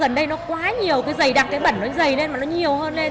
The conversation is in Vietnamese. mình đặt dấu hỏi